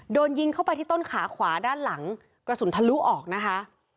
โดนยิงเข้าไปที่ต้นขาขวาด้านหลังกระสุนทะลุออกนะคะ